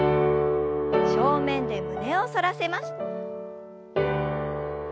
正面で胸を反らせます。